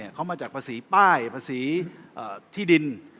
เขามาจากภาษีป้ายภาษีที่ดิน